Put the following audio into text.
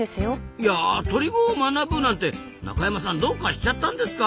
いや鳥語を学ぶなんて中山さんどうかしちゃったんですか？